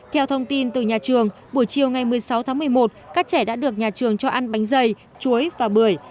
theo thông tin từ nhà trường buổi chiều ngày một mươi sáu tháng một mươi một các trẻ đã được nhà trường cho ăn bánh dày chuối và bưởi